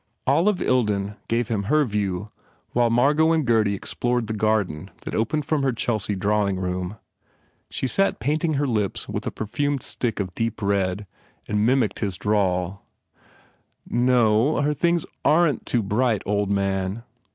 Olive Ilden gave him her view while Margot and Gurdy explored the garden that opened from her Chelsea drawing room. She sat painting her lips with a perfumed stick of deep red and mim icked his drawl, "No, her things ar r ren t too bright, old man.